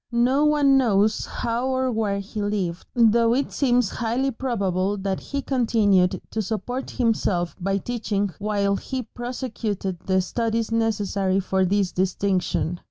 No one knows how or where he lived, though it seems highly probable that he continued to support himself by teaching while he prosecuted the studies necessary for this distinction.